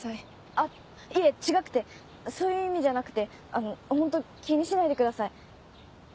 あっいえ違くてそういう意味じゃなくてあのホント気にしないでください。